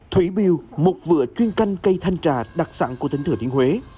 thủy biêu một vựa chuyên canh cây thanh trà đặc sản của tỉnh thừa thiên huế